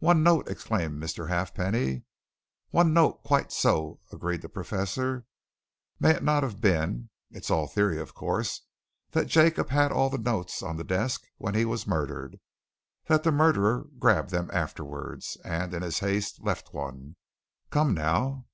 "One note!" exclaimed Mr. Halfpenny. "One note quite so," agreed the Professor. "May it not have been it's all theory, of course that Jacob had all the notes on the desk when he was murdered, that the murderer grabbed them afterwards, and in his haste, left one? Come, now!"